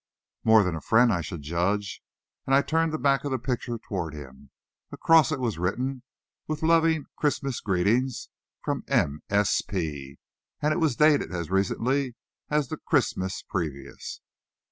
"More than a friend, I should judge," and I turned the back of the picture toward him. Across it was written, "with loving Christmas greetings, from M.S.P."; and it was dated as recently as the Christmas previous.